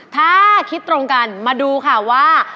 ถ้าคิดตรงกันมาดูค่ะว่า